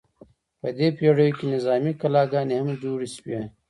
په دې پیړیو کې نظامي کلاګانې هم جوړې شوې.